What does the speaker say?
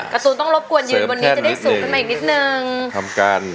การ์ตูนต้องรบกวนยืนวันนี้จะได้สูงขึ้นมาอีกนิดนึงทำกัน